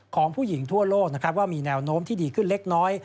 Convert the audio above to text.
ของผู้หญิงทั่วโลกนะครับว่ามีแนวโน้มที่ดีขึ้นเล็กน้อย